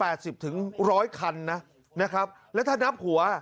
พาคนมาเก็บเหตุ๘๐ถึง๑๐๐คันนะนะครับแล้วถ้านับหัว